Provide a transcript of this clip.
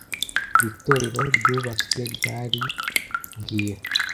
Iri torero ryubatswe ryari mbwira